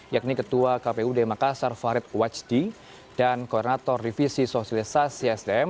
yakni ketua kpud makassar farid wajdi dan koordinator divisi sosialisasi sdm